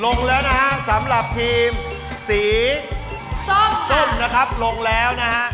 ลงแล้วนะฮะสำหรับทีมสีส้มนะครับลงแล้วนะฮะ